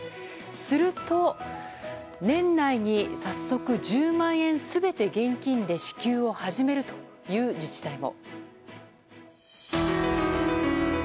すると年内に早速１０万円全て現金で支給を始めるという自治体も。